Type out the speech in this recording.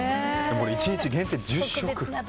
１日限定１０食？